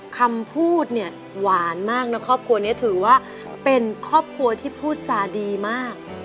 คำพูดเนี่ยหวานมากนะครอบครัวนี้ถือว่าเป็นครอบครัวที่พูดจาดีมาก